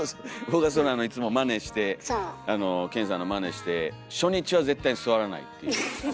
僕はいつもまねして健さんのまねして初日は絶対座らないっていう。